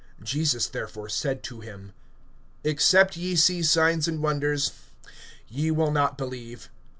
(48)Jesus therefore said to him: Except ye see signs and wonders, ye will not believe.